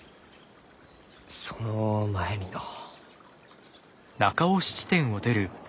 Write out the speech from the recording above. その前にのう。